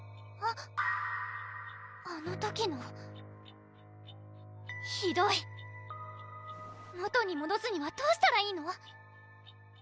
あっあの時のひどい元にもどすにはどうしたらいいの？